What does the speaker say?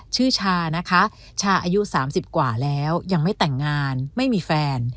ชานะคะชาอายุ๓๐กว่าแล้วยังไม่แต่งงานไม่มีแฟน